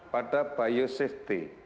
pada bio safety